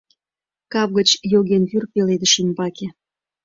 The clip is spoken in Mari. Кап гыч йоген вӱр пеледыш ӱмбаке?..